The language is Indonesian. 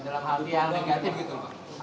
dalam hal yang negatif gitu pak